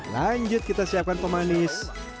lanjut kita siapkan pemanis